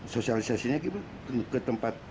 sosialisasinya ke tempat